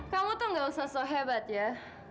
kamu tuh gak usah so hebat ya